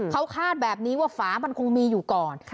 เขาคาดแบบนี้ว่าฝามันคงมีอยู่ก่อน